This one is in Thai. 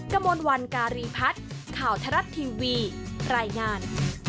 กระมวลวันการีพัฒน์ข่าวทรัฐทีวีรายงาน